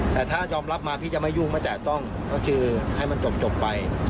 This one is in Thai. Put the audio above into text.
แต่ถ้ายอมรับมาพี่จะไม่ยุ่งไม่แตะต้องก็คือให้มันจบไป